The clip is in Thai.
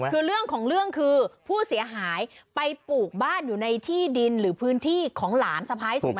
คือเรื่องของเรื่องคือผู้เสียหายไปปลูกบ้านอยู่ในที่ดินหรือพื้นที่ของหลานสะพ้ายถูกไหม